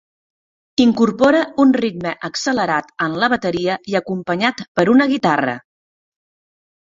Incorpora un ritme accelerat en la bateria i acompanyat per una guitarra.